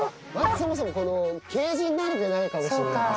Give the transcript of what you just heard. そもそもケージに慣れてないかもしれない。